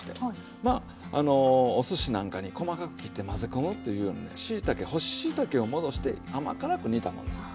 まああのおすしなんかに細かく切って混ぜ込むというようなねしいたけ干ししいたけを戻して甘辛く煮たものです。